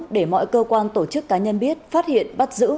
để mọi cơ quan tổ chức cá nhân biết phát hiện bắt giữ